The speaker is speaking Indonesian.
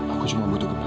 aku cuma butuh keperluan